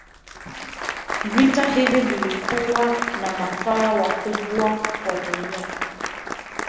Vita hivi vilikuwa na maafa makubwa kwa duniani